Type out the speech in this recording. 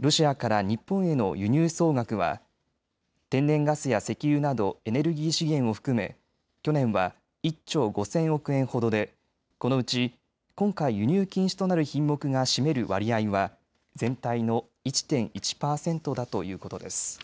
ロシアから日本への輸入総額は天然ガスや石油などエネルギー資源を含め去年は１兆５０００億円ほどでこのうち今回、輸入禁止となる品目が占める割合は全体の１．１％だということです。